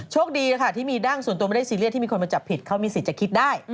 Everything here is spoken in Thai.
คดีนะคะที่มีดั้งส่วนตัวไม่ได้ซีเรียสที่มีคนมาจับผิดเขามีสิทธิ์จะคิดได้